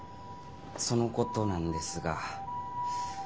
そのことなんですが。